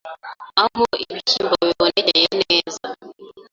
Aho ibishyimbo bibonekeye neza